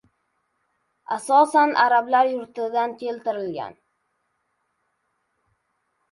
Asosan arablar yurtidan keltirilgan.